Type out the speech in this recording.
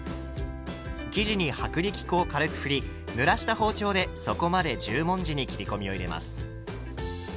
生地に薄力粉を軽くふりぬらした包丁で底まで十文字に切り込みを入れます。